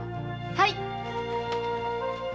はい。